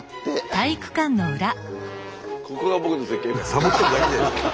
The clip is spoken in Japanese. サボってるだけじゃないですか。